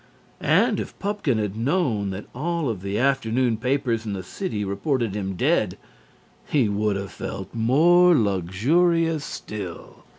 And if Pupkin had known that all of the afternoon papers in the city reported him dead, he would have felt more luxurious still.